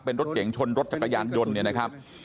เป็นรถเก๋งชนรถจักรยานยนต์เนี่ยนะครับ